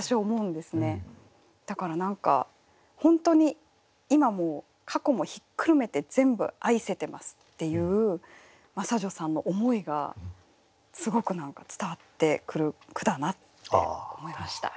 だから何か本当に今も過去もひっくるめて全部愛せてますっていう真砂女さんの思いがすごく伝わってくる句だなって思いました。